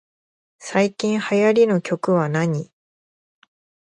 最近流行りの曲はなに